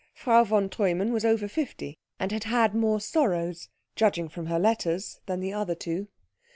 Frau von Treumann was over fifty, and had had more sorrows, judging from her letters, than the other two.